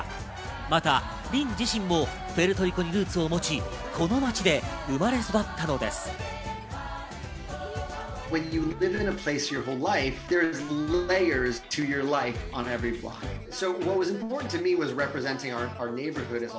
またリン自身もプエルトリコにルーツを持ち、この街で生まれ育ったのです。